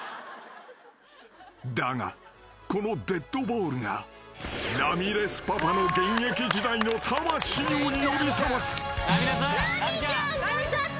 ［だがこのデッドボールがラミレスパパの現役時代の魂を呼び覚ます］